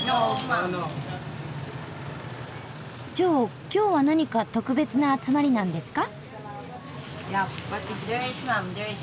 じゃあ今日は何か特別な集まりなんですか？